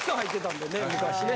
昔ね。